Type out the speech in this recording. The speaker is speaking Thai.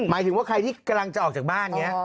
หมายถึงว่าใครที่กำลังจะออกจากบ้านอย่างนี้